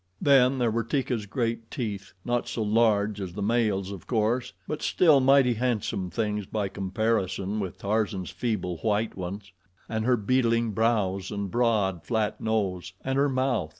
Then there were Teeka's great teeth, not so large as the males, of course, but still mighty, handsome things by comparison with Tarzan's feeble white ones. And her beetling brows, and broad, flat nose, and her mouth!